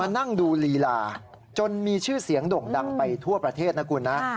นั่งดูลีลาจนมีชื่อเสียงด่งดังไปทั่วประเทศนะคุณนะ